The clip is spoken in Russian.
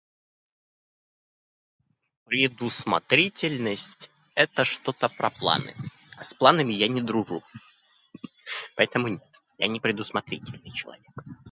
Предусмотрительность - это что-то про планы. С планами я не дружу. Поэтому нет, я не предусмотрительный человек.